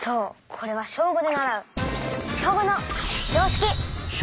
これは小５で習う「小５の常識！」